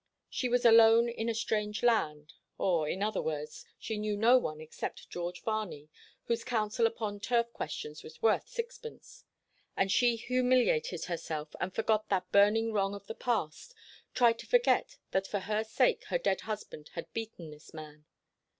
She was alone in a strange land or in other words, she knew no one except Sir George Varney whose counsel upon turf questions was worth sixpence; and she humiliated herself, and forgot that burning wrong of the past, tried to forget that for her sake her dead husband had beaten this man.